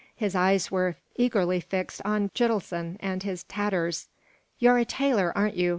His eyes were eagerly fixed on Gitelson and his tatters "You're a tailor, aren't you?"